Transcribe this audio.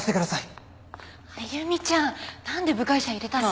あゆみちゃんなんで部外者入れたの。